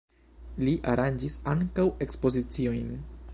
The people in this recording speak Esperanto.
Li aranĝis ankaŭ ekspoziciojn.